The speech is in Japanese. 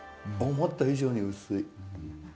思った以上に薄い。